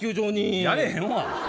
やれへんわ！